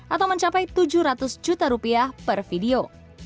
atau mencapai tujuh ratus juta rupiah per video